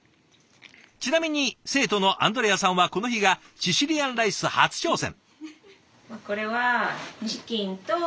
ちなみに生徒のアンドレアさんはこの日がシシリアンライス初挑戦。